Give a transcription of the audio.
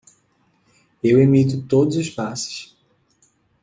Eu emito todos os passes.